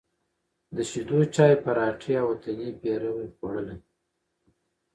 د شېدو چای، پراټې او وطني پېروی خوړلی،